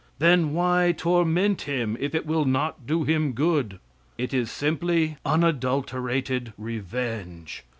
Then why torment him if it will not do him good? It is simply unadulterated revenge.